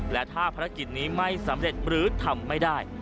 และถ้าภารกิจนี้ไม่สำเร็จหรือทำไม่ได้